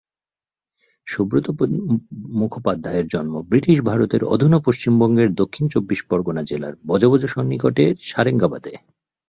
সুব্রত মুখোপাধ্যায়ের জন্ম বৃটিশ ভারতের অধুনা পশ্চিমবঙ্গের দক্ষিণ চব্বিশ পরগনা জেলার বজবজ সন্নিকটে সারেঙ্গাবাদে।